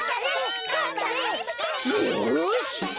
よし。